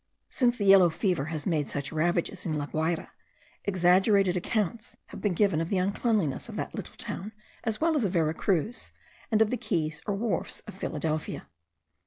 Since the yellow fever has made such ravages in La Guayra, exaggerated accounts have been given of the uncleanliness in that little town as well as of Vera Cruz, and of the quays or wharfs of Philadelphia.